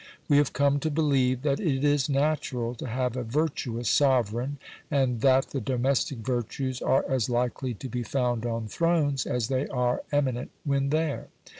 We have come to believe that it is natural to have a virtuous sovereign, and that the domestic virtues are as likely to be found on thrones as they are eminent when there.